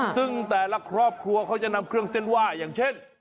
ซึ่งแต่ละครอบครัวเขาจะนำเครื่องเส้นไหว้อย่างเช่น